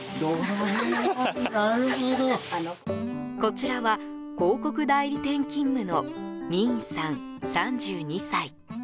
こちらは広告代理店勤務のミーンさん、３２歳。